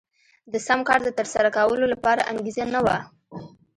د سم کار د ترسره کولو لپاره انګېزه نه وه.